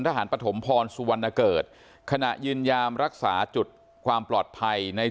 ทหารปฐมพรสุวรรณเกิดขณะยืนยามรักษาจุดความปลอดภัยใน